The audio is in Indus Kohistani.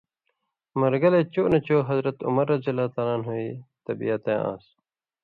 مرگلئ، چو نہ چو حضرتِ عمرؓ بے تِبیات آن٘س؛